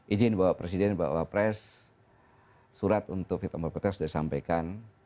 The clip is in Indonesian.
izin bapak presiden bapak bapak pres surat untuk vietnames bapak pres sudah disampaikan